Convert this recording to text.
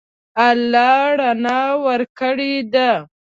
الله رڼا ورکړې ده.